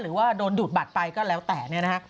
หรือว่าโดนดูดบัตรไปก็แล้วแต่เนี่ยนะฮะ